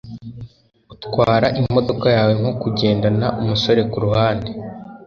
Utwara imodoka yawe nko kugendana umusore kuruhande